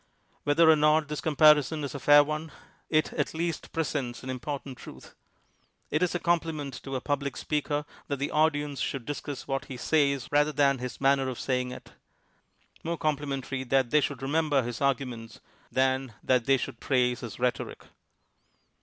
Whether or not this compar ison be a fair one, it at least presents an im portant truth. It is a compliment to a public speaker that the audience should discuss what he says rather than his manner of saying it; more complimentary that they should remember his arguments, than that they should praise his rhet oric.